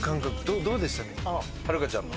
はるかちゃんの？